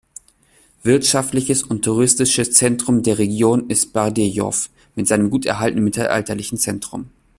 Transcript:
Wirtschaftliches und touristisches Zentrum der Region ist Bardejov mit seinem gut erhaltenen mittelalterlichen Zentrum.